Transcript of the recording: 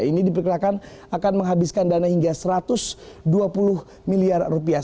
ini diperkirakan akan menghabiskan dana hingga satu ratus dua puluh miliar rupiah